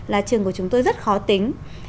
là trường của chúng tôi rất khó tính